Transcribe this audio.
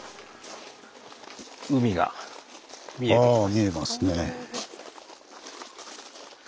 あ見えますね。